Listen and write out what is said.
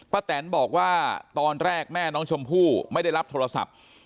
แตนบอกว่าตอนแรกแม่น้องชมพู่ไม่ได้รับโทรศัพท์